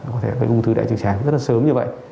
có thể gây ung thư đại trực tràng rất là sớm như vậy